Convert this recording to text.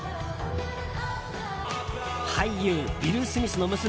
俳優ウィル・スミスの娘